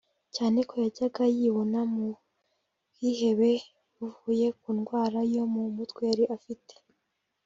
cyane ko yajyaga yibona mu bwihebe buvuye ku ndwara yo mu mutwe yari afite